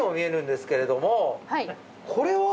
これは？